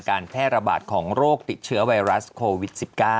การแพร่ระบาดของโรคติดเชื้อไวรัสโควิด๑๙